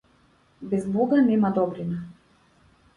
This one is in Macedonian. Без бога нема добрина.